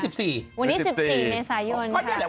วันนี้๑๔ในสายน